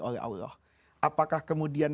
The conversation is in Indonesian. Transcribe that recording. oleh allah apakah kemudian